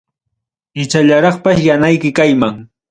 Ichallaraqpas yanayki kayman.